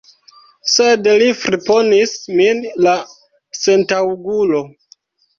Sed li friponis min, la sentaŭgulo!